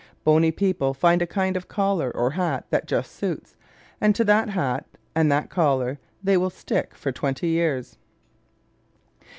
Bony people find a kind of collar or hat that just suits, and to that hat and that collar they will stick for twenty years!